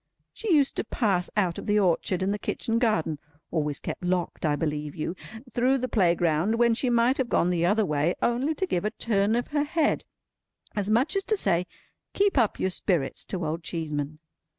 She used to pass out of the orchard and the kitchen garden (always kept locked, I believe you!) through the playground, when she might have gone the other way, only to give a turn of her head, as much as to say "Keep up your spirits!" to Old Cheeseman.